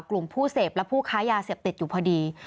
กลุ่มผู้เสพและผู้ค้ายาเสพติดอยู่พอดี